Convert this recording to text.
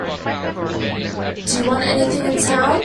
Do you want anything in town?